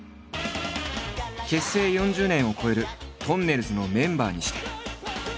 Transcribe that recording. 結成４０年を超えるとんねるずのメンバーにして。